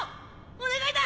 お願いだ！